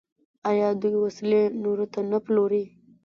آیا دوی وسلې نورو ته نه پلوري؟